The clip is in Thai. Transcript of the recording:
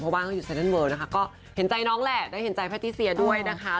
เพราะว่าเขาอยู่ไซนั่นเลิลนะคะก็เห็นใจน้องแหละได้เห็นใจแพทติเซียด้วยนะคะ